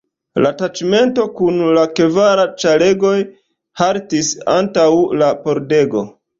La taĉmento kun la kvar ĉaregoj haltis antaŭ la pordego.